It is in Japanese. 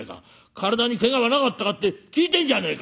体にけがはなかったかって聞いてんじゃねえか」。